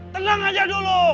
tenang aja dulu